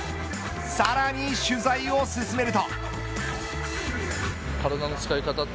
さらに取材を進めると。